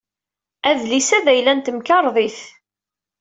Adlis-a d ayla n temkarḍit.